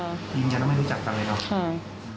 ยังไม่รู้จักกันเลยเหรอ